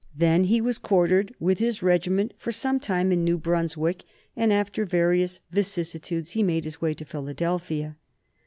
Then he was quartered with his regiment for some time in New Brunswick, and after various vicissitudes he made his way to Philadelphia.